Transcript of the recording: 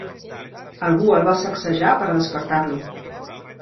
Algú el va sacsejar per a despertar-lo.